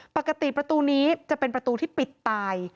ปกติประตูนี้จะเป็นประตูที่ปิดตาย